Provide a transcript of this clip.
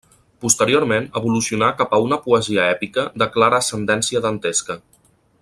Posteriorment evolucionà cap a una poesia èpica de clara ascendència dantesca.